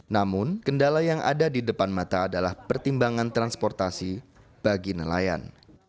namun kendala yang ada di depan mata adalah pertimbangan transportasi bagi nelayan